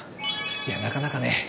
いやなかなかね。